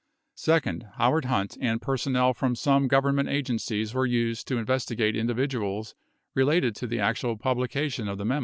54 Second, Howard Hunt and personnel from some Government agencies were used to investi gate individuals related to the actual publication of the memo.